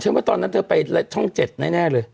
ว่าตอนนั้นเธอไปช่อง๗แน่เลย